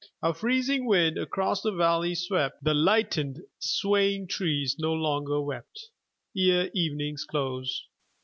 A freezing wind across the valley swept; The lightened swaying tress no longer wept, Ere evening's close.